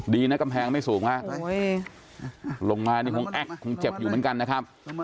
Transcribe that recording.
ดีนะกำแพงไม่สูงฮะโอ้ยโรงงานนี้คงคงเจ็บอยู่เหมือนกันนะครับ